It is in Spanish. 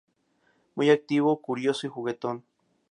Muy activo, curioso y juguetón.